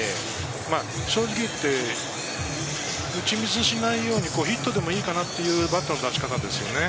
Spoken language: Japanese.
正直いって打ちミスしないようにヒットでもいいかなというバットの出し方ですよね。